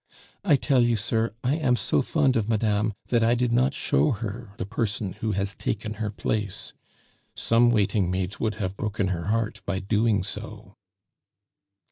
I tell you, sir, I am so fond of madame, that I did not show her the person who has taken her place; some waiting maids would have broken her heart by doing so."